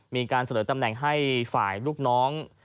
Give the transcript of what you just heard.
มีการเสนอตำแหน่งให้ฝ่ายลูกน้อง